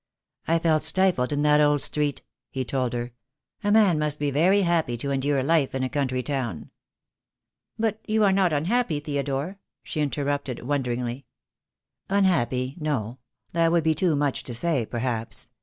"I felt stifled in that old street," he told her. "A man must be very happy to endure life in a country town." "But you are not unhappy, Theodore?" she inter rupted, wonderingly. "Unhappy — no, that would be too much to say, per haps.